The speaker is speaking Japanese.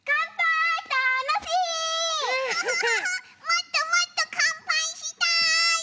もっともっとかんぱいしたい！